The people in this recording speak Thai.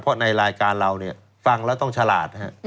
เพราะในรายการเราเนี่ยฟังแล้วต้องฉลาด